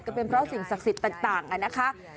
ก็เป็นเพราะสิ่งศักดิ์สิทธิ์ต่างนะคะ